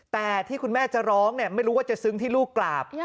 แต่ที่คุณแม่จะร้องไม่รู้ว่าจะซึ้งที่ลูกกราบ